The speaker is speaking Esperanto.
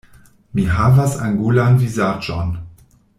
Mi havas angulan vizaĝon.